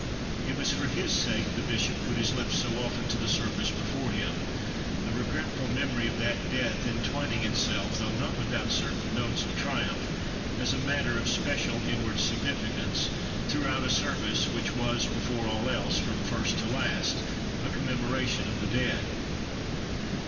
It was for his sake the bishop put his lips so often to the surface before him; the regretful memory of that death entwining itself, though not without certain notes of triumph, as a matter of special inward significance, throughout a service, which was, before all else, from first to last, a commemoration of the dead.